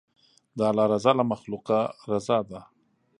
د الله رضا له مخلوقه رضا ده.